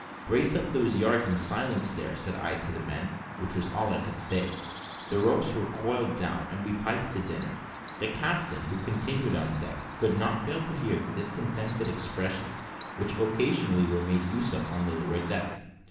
"Brace up those yards in silence there," said I to the men, which was all I could say. The ropes were coiled down, and we piped to dinner. The captain, who continued on deck, could not fail to hear the discontented expressions which occasionally were made use of on the lower deck.